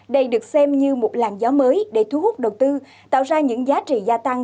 đây được xem như một làn gió mới để thu hút đầu tư tạo ra những giá trị gia tăng